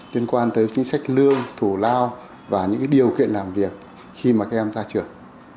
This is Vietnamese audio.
liên quan tới chính sách lương thủ lao và những điều kiện làm việc khi mà các em ra trường